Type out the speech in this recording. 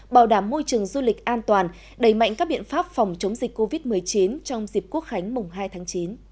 bảo đảm môi trường du lịch an toàn đẩy mạnh các biện pháp phòng chống dịch covid một mươi chín trong dịp quốc khánh mùng hai tháng chín